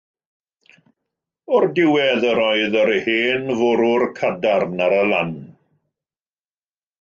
O'r diwedd yr oedd yr hen forwr cadarn ar y lan.